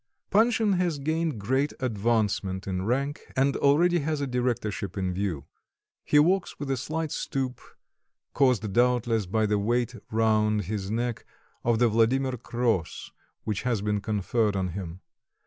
Panshin has gained great advancement in rank, and already has a directorship in view; he walks with a slight stoop, caused doubtless by the weight round his neck of the Vladimir cross which has been conferred on him.